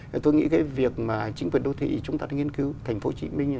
thì tôi nghĩ cái việc mà chính quyền đô thị chúng ta nghiên cứu thành phố hồ chí minh